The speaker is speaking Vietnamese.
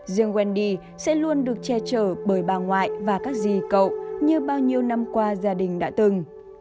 riêng wendy sẽ luôn được che chở bởi bà ngoại và các gì cậu như bao nhiêu năm qua gia đình đã từng